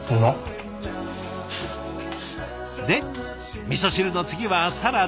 でみそ汁の次はサラダ。